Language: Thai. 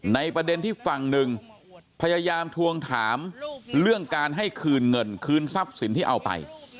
ประเด็นที่ฝั่งหนึ่งพยายามทวงถามเรื่องการให้คืนเงินคืนทรัพย์สินที่เอาไป